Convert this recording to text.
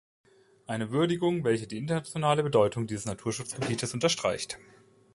Eine Würdigung, welche die internationale Bedeutung dieses Naturschutzgebietes unterstreicht.